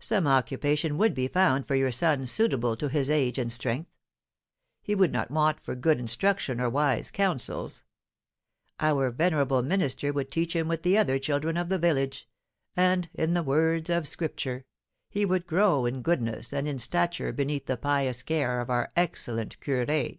Some occupation would be found for your son suitable to his age and strength. He would not want for good instruction or wise counsels; our venerable minister would teach him with the other children of the village, and, in the words of Scripture, he would grow in goodness and in stature beneath the pious care of our excellent curé.